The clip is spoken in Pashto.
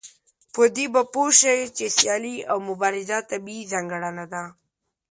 په دې به پوه شئ چې سيالي او مبارزه طبيعي ځانګړنه ده.